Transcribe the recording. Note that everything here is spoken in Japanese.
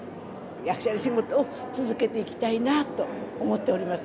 役者の仕事を続けていきたいなと思っております。